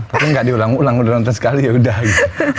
tapi nggak diulang ulang udah nonton sekali yaudah gitu